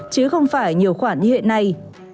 chứ không phải nhiều khoản như hiện nay